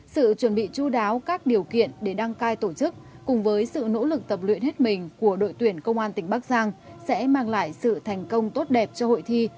sự chuẩn bị chú đáo các điều kiện để đăng cai tổ chức cùng với sự nỗ lực tập luyện hết mình của đội tuyển công an tỉnh bắc giang sẽ mang lại sự thành công tốt đẹp cho hội thi